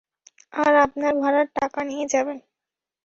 আর আপনার ভাড়ার টাকা নিয়ে নিবেন।